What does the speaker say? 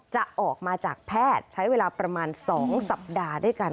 จะออกมาจากแพทย์ใช้เวลาประมาณ๒สัปดาห์ด้วยกัน